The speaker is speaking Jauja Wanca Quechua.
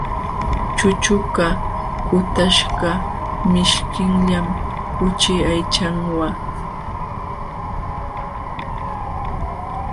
Chuchuqa kutaśhqa mishkillam kuchi aychanwa.